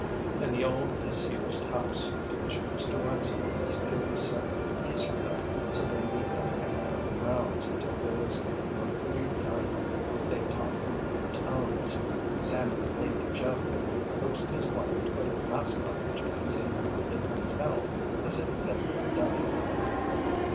In the old, disused house, to which Mr. Whiteside had secured a set of keys for them so they need not hang around the grounds until there was work to be done, they talked in low tones. Sandy believed that Jeff had coaxed his wife to put acid on the gems in the London hotel, as had been done.